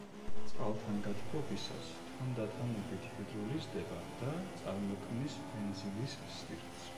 წყალთან გათბობისას თანდათანობით ჰიდროლიზდება და წარმოქმნის ბენზილის სპირტს.